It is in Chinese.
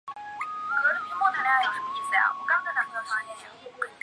此后成为停播前的主要节目形式。